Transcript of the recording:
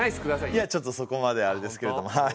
いやちょっとそこまではあれですけれども。